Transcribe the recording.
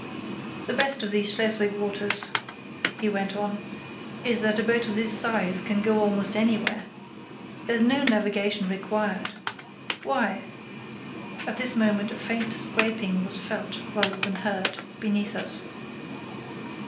"The best of these Schleswig waters," he went on, "is that a boat of this size can go almost anywhere. There's no navigation required. Why——" At this moment a faint scraping was felt, rather than heard, beneath us.